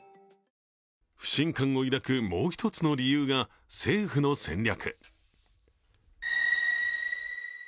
不信感を抱くもう一つの理由が政府の戦略。